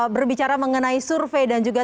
berbicara mengenai survei dan juga